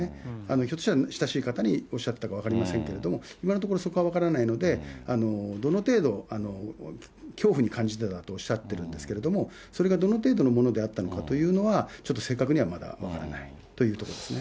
ひょっとしたら親しい方におっしゃっていたかも分かりませんけど、今のところ、そこは分からないので、どの程度、恐怖に感じてたとおっしゃっているんですけれども、それがどの程度のものであったのかというのは、ちょっと正確にはまだ分からないというところですね。